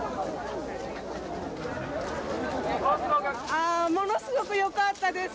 あものすごくよかったです。